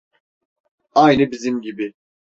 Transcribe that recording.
Aynı bizim gibi.